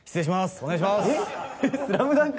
お願いします